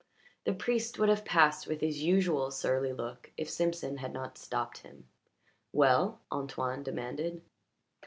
The priest would have passed with his usual surly look if Simpson had not stopped him. "Well?" Antoine demanded.